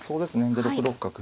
で６六角。